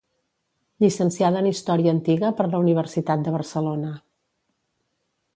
Llicenciada en història antiga per la Universitat de Barcelona.